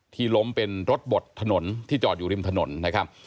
ล้มเป็นรถบดถนนที่จอดอยู่ริมถนนนะครับ